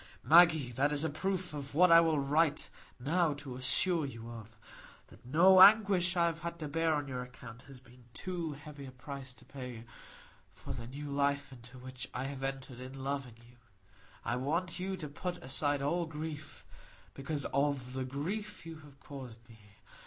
Maggie, that is a proof of what I write now to assure you of,—that no anguish I have had to bear on your account has been too heavy a price to pay for the new life into which I have entered in loving you. I want you to put aside all grief because of the grief you have caused me.